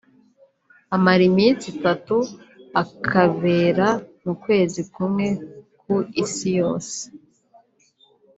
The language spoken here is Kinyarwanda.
amara iminsi itatu akabera mu kwezi kumwe ku isi yose